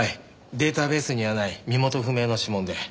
データベースにはない身元不明の指紋で。